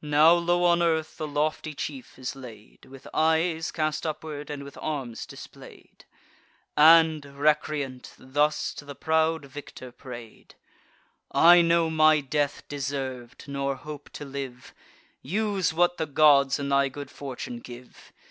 Now low on earth the lofty chief is laid, With eyes cast upward, and with arms display'd, And, recreant, thus to the proud victor pray'd: "I know my death deserv'd, nor hope to live: Use what the gods and thy good fortune give.